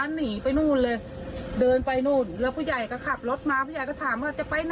โอ้โหบอกเลยว่าขาก็สั่นตวก็สั่น